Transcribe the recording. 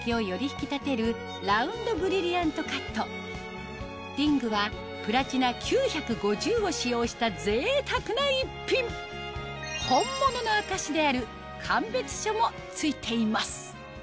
引き立てるラウンドブリリアントカットリングはプラチナ９５０を使用したぜいたくな一品本物の証しである鑑別書も付いています